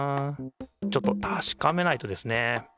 ちょっと確かめないとですね。